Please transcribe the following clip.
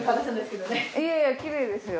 いやいやきれいですよ。